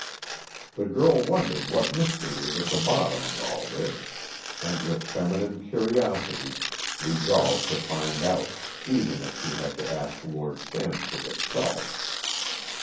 The girl wondered what mystery was at the bottom of all this, and with feminine curiosity resolved to find out, even if she had to ask Lord Stansford himself.